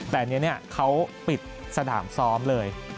แต่อันนี้เขาปิดสนามซ้อมเลย